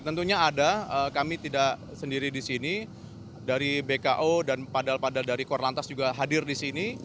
tidak kami tidak sendiri di sini dari bko dan padahal pada dari kor lantas juga hadir di sini